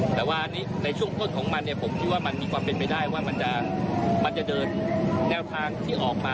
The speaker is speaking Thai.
แต่ว่าอันนี้ในช่วงต้นของมันเนี่ยผมคิดว่ามันมีความเป็นไปได้ว่ามันจะเดินแนวทางที่ออกมา